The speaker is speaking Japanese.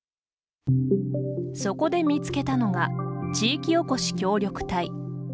そこで見つけたのが地域おこし協力隊。